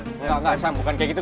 bukan bukan sam bukan kayak gitu